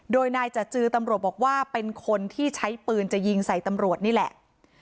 โดยนายจจือตำรวจบอกว่าเป็นคนที่ใช้ปืนจะยิงใส่ตำรวจนี่แหละ